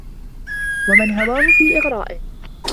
وَمَنْ هَوَاهُ فِي إغْرَاءٍ